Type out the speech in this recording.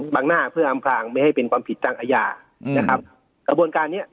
หน้าเพื่ออำพลางไม่ให้เป็นความผิดทางอาญาอืมนะครับกระบวนการเนี้ย